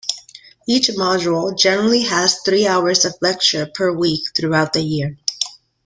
Each module generally has three hours of lectures per week throughout the year.